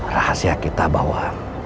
rahasia kita bahwa